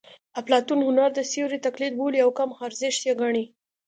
اپلاتون هنر د سیوري تقلید بولي او کم ارزښته یې ګڼي